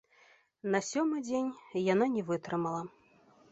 На сёмы дзень яна не вытрымала.